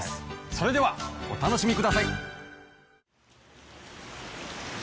それではお楽しみください！